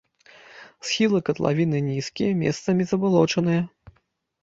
Схілы катлавіны нізкія, месцамі забалочаныя.